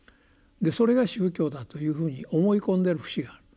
それが宗教だというふうに思い込んでる節がある。